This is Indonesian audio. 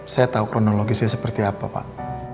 saya tahu kronologisnya seperti apa pak